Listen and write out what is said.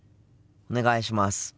お願いします。